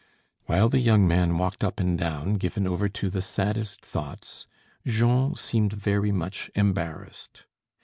While the young man walked up and down given over to the saddest thoughts, Jean seemed very much embarrassed.